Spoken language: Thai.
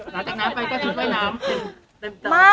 หลังจากนั้นไปก็ชุดว่ายน้ำ